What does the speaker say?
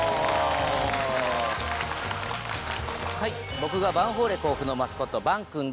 僕がヴァンフォーレ甲府のマスコットヴァンくんで。